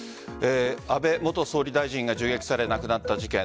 安倍元総理大臣が銃撃され亡くなった事件